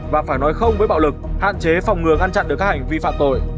và phải nói không với bạo lực hạn chế phòng ngừa ngăn chặn được các hành vi phạm tội